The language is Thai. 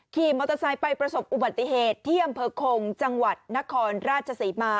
ขี่มอเตอร์ไซค์ไปประสบอุบัติเหตุที่อำเภอคงจังหวัดนครราชศรีมา